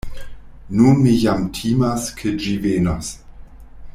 Nun mi jam timas ke ĝi venos.